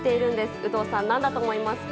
有働さん、何だと思いますか？